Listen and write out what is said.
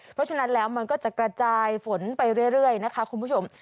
เพราะฉะนั้นแล้วมันก็จะกระจายฝนไปเรื่อยนะคะคุณผู้ชม